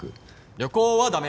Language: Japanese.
旅行は駄目。